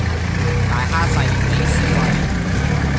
大蝦細俾屎餵